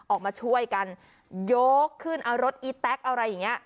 ออกมาช่วยกันยกขึ้นเอารถอีแต๊กอะไรอย่างนี้